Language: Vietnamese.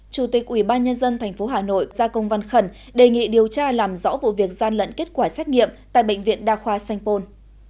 chủ tịch ubnd tp hà nội ra công văn khẩn đề nghị điều tra làm rõ vụ việc gian lận kết quả xét nghiệm tại bệnh viện đa khoa sanh pôn